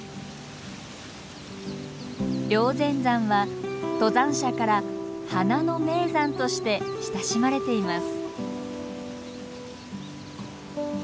霊仙山は登山者から「花の名山」として親しまれています。